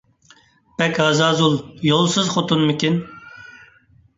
بەك ھازازۇل، يولسىز خوتۇنمىكىن.